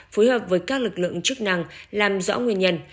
phối hợp với các lực lượng chức năng làm rõ nguyên nhân